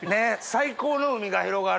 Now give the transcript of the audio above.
最高の海が広がる。